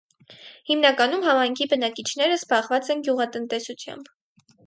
Հիմնականում համայնքի բնակիչները զբաղված են գյուղատնտեսությամբ։